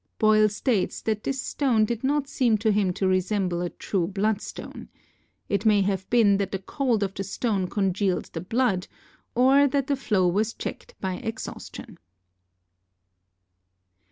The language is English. Boyle states that this stone did not seem to him to resemble a true bloodstone. It may have been that the cold of the stone congealed the blood, or that the flow was checked by exhaustion.